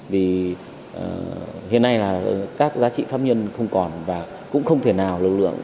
vì hiện nay là các giá trị pháp nhân không còn và cũng không thể nào lực lượng